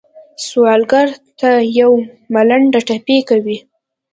سوالګر ته یو ملنډه ټپي کوي